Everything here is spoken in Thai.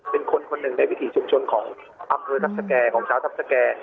เป็นคนคนหนึ่งในวิถีชุมชนของอำเภอทัพสแก่ของชาวทัพสแก่